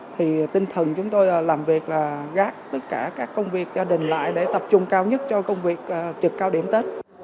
thì tinh thần chúng tôi làm việc là gác tất cả các công việc gia đình lại để tập trung cao nhất cho công việc trực cao điểm tết